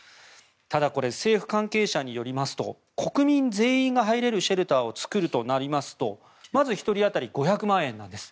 ただこれ政府関係者によりますと国民全員が入れるシェルターを作るとなりますと、まず１人当たり５００万円なんです。